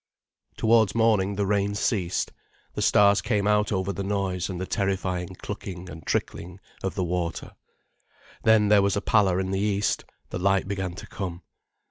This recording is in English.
Towards morning the rain ceased, the stars came out over the noise and the terrifying clucking and trickling of the water. Then there was a pallor in the east, the light began to come.